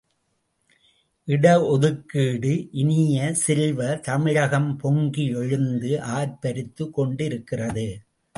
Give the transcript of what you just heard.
இட ஒதுக்கீடு இனிய செல்வ, தமிழகம் பொங்கி எழுந்து ஆர்ப்பரித்து கொண்டிருக்கிறது.